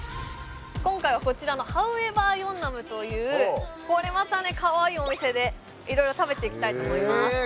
今回はこちらのｈｏｗｅｖｅｒ延南というこれまたねかわいいお店でいろいろ食べていきたいと思いますへえ